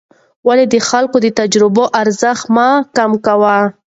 ولې د خلکو د تجربو ارزښت مه کم کوې؟